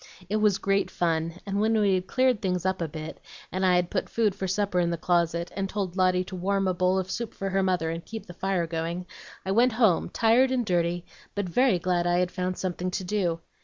"It was great fun! and when we had cleared things up a bit, and I'd put food for supper in the closet, and told Lotty to warm a bowl of soup for her mother and keep the fire going, I went home tired and dirty, but very glad I'd found something to do.